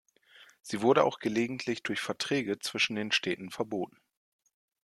Sie wurde auch gelegentlich durch Verträge zwischen den Städten verboten.